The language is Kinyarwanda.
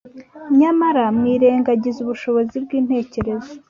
nyamara mwirengagiza ubushobozi bw’intekerezo.